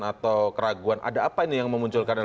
atau keraguan ada apa ini yang memunculkan